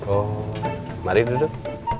oh mari duduk